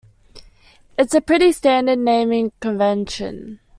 It’s a pretty standard naming convention.